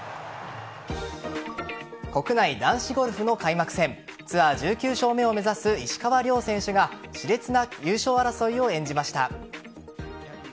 国内男子ゴルフの開幕戦ツアー１９勝目を目指す石川遼選手が熾烈な優勝争いを演じました。